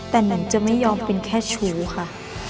แต่นันจะไม่ยอมเป็นแค่ชู้ค่ะ